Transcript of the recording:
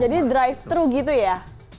jadi drive thru gitu ya